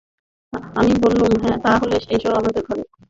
আমি বললুম, তা হলে এসো আমাদের ঘরে।